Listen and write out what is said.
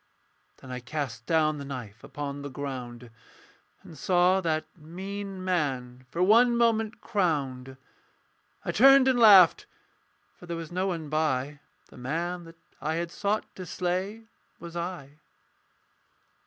Then I cast down the knife upon the ground And saw that mean man for one moment crowned. I turned and laughed: for there was no one by The man that I had sought to slay was I.